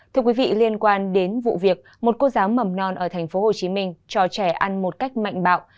thưa quý vị liên quan đến vụ việc một cô giáo mầm non ở thành phố hồ chí minh cho trẻ ăn một cách mạnh bạo